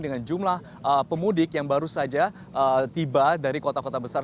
dengan jumlah pemudik yang baru saja tiba dari kota kota besar